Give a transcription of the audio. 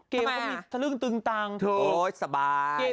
เกมก็มีสรึงตึงตังค์ถูกโอ๊ยสบาย